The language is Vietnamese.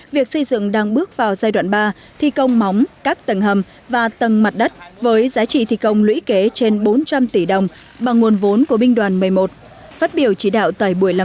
việc xây dựng đang bước vào giai đoạn ba thi công móng cắt tầng hầm và tầng mặt đất với giá trị thi công lũy kế trên bốn triệu